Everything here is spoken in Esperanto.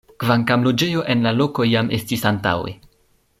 Kvankam loĝejo en la loko jam estis antaŭe.